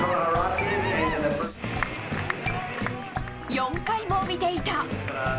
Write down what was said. ４回も見ていた。